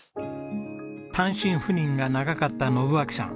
単身赴任が長かった信秋さん。